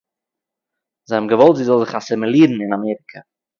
זיי האָבן געוואָלט זי זאָל זיך אַסימילירן אין אַמעריקע